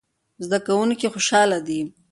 زده کوونکي خوشاله دي.